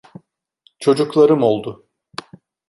Çocuklarım oldu.